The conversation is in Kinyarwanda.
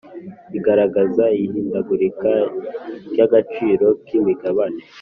igaragaza ihindagurika ry agaciro k imigabane